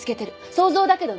想像だけどね。